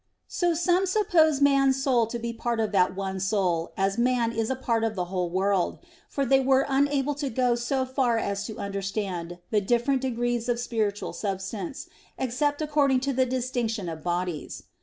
So some supposed man's soul to be part of that one soul, as man is a part of the whole world; for they were unable to go so far as to understand the different degrees of spiritual substance, except according to the distinction of bodies.